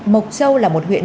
mộc châu là một huyện